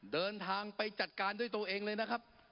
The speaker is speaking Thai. เดินทางไปจัดการด้วยตัวเองเลยนะครับ